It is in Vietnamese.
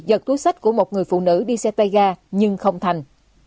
giật túi sách của một người phụ nữ đi xe tay ga nhưng không thành